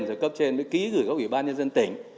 rồi cấp trên mới ký gửi các ủy ban nhân dân tỉnh